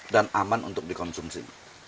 dan aman untuk dikonsumsi